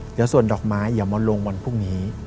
เดี๋ยวส่วนดอกไม้อย่ามาลงวันพรุ่งนี้